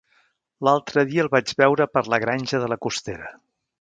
L'altre dia el vaig veure per la Granja de la Costera.